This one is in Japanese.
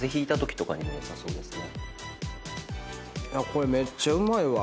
これめっちゃうまいわ。